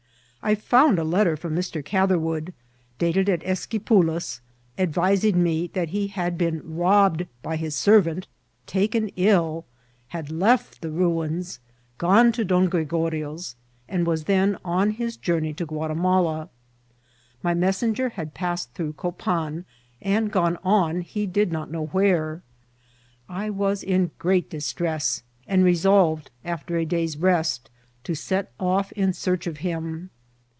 I found a letter from Mr. Catherwood, dated at Esquipulas, advising me that he had been rob CHEI8TMA8 XVX. 297 bed by his servant, taken ill, had left the ruins, gone to Don Oregorio's, and was then on his journey to Guati* mala. My messenger had passed through Copan, and gone on he did not know where. I was in great dis* tress, and resolved, after a day's rest, to set off in search of him.